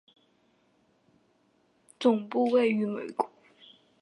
总部位于美国。